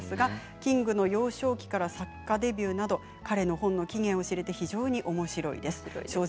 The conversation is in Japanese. キングの幼少期から作家デビューまで、彼の本の起源を知れておもしろいです。